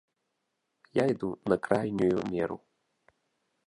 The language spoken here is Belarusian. Я іду на крайнюю меру.